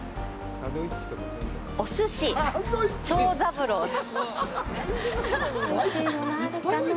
おすし長三郎だ。